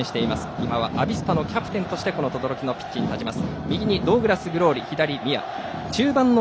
今はアビスパのキャプテンとして等々力のピッチに立ちます。